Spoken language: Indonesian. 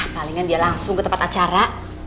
palingan dia langsung ke tempat acara